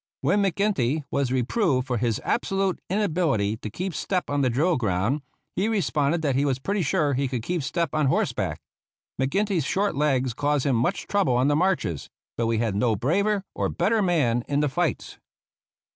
When McGinty was reproved for his absolute in ability to keep step on the drill ground, he re sponded that he was pretty sure he could keep step on horseback. McGinty's short legs caused him much trouble on the marches, but we had no braver or better man in the fights.